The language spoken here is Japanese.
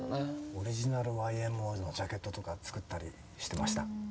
オリジナルＹ．Ｍ．Ｏ．のジャケットとか作ったりしてました？